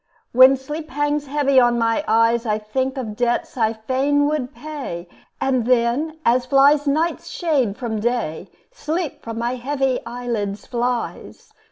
When sleep hangs heavy on my eyes, I think of debts I fain would pay; And then, as flies night's shade from day, Sleep from my heavy eyelids flies.